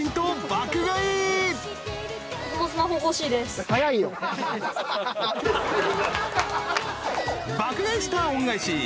「爆買い☆スター恩返し」